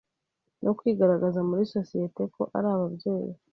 no kwigaragaza muri sosiyete ko ari ababyeyi